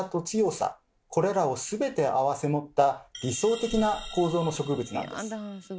これらを全て併せ持った理想的な構造の植物なんです。